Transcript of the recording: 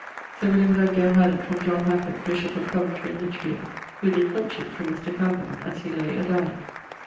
Sir William Dugdale had it from Hacket[XXXVI.], bishop of Coventry and Lichfield, who did filch it from Mr. Camden as he lay a dyeing.